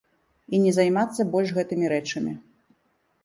І не займацца больш гэтымі рэчамі.